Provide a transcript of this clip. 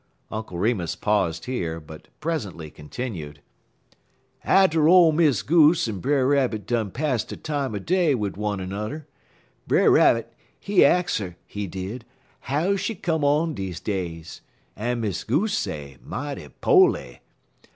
Uncle Remus paused here, but presently continued: "Atter ole Miss Goose en Brer Rabbit done pass de time er day wid one er n'er, Brer Rabbit, he ax 'er, he did, how she come on deze days, en Miss Goose say, mighty po'ly.